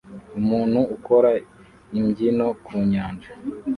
Umuntu ukora imbyino ku nyanja